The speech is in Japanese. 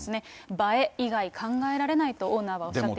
映え以外考えられないとオーナーはおっしゃっています。